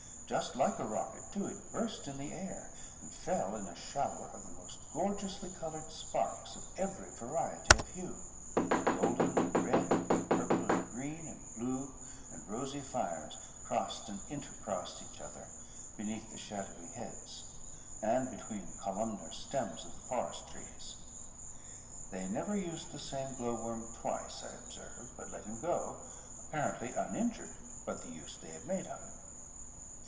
Just like a rocket too, it burst in the air, and fell in a shower of the most gorgeously coloured sparks of every variety of hue; golden and red, and purple and green, and blue and rosy fires crossed and inter crossed each other, beneath the shadowy heads, and between the columnar stems of the forest trees. They never used the same glowworm twice, I observed; but let him go, apparently uninjured by the use they had made of him.